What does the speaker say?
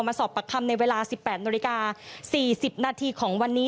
มาสอบปักคำในเวลา๑๘น๔๐นาทีของวันนี้